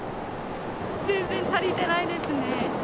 全然足りてないですね。